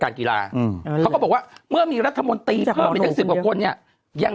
การกีฬาเขาบอกว่าเมื่อมีรัฐมนตรีเพิ่ม๑๐กว่าคนเนี่ยยัง